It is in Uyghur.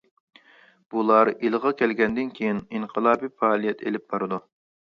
بۇلار ئىلىغا كەلگەندىن كېيىن، ئىنقىلابىي پائالىيەت ئېلىپ بارىدۇ.